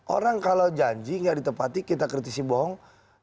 orang kalau janji nggak ditepati kita kritisi bohong